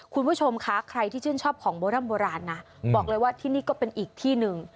คุณผู้ชมคะใครที่ชื่นชอบของโบร่ำโบราณนะบอกเลยว่าที่นี่ก็เป็นอีกที่หนึ่ง